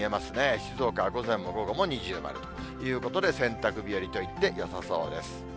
静岡午前も午後も二重丸ということで、洗濯日和といってよさそうです。